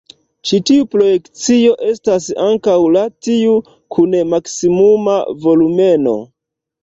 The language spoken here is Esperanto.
Ĉi tiu projekcio estas ankaŭ la tiu kun maksimuma volumeno.